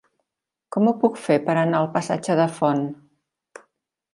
Com ho puc fer per anar al passatge de Font?